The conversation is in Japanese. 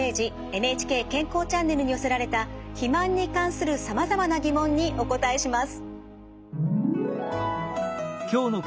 ＮＨＫ健康チャンネルに寄せられた肥満に関するさまざまな疑問にお答えします。